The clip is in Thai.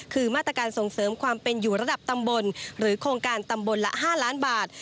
คือมาตรการส่งเสริมความเป็นอยู่ระดับตำบลหรือโครงการตำบลละ๕ล้านบาท